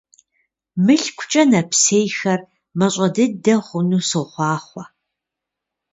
МылъкукӀэ нэпсейхэр мащӀэ дыдэ хъуну сохъуахъуэ!